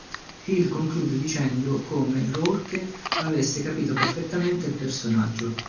Hill conclude dicendo come Rourke avesse capito perfettamente il personaggio.